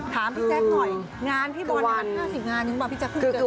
ถามพี่แจ๊คหน่อยงานพี่บอล๕๐งานหรือเปล่าพี่จะขึ้นเกิน